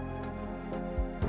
tidak ada apa apa